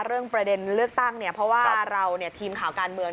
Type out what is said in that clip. เรื่องประเด็นเลือกตั้งเนี่ยเพราะว่าเราทีมข่าวการเมือง